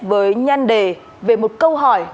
với nhan đề về một câu hỏi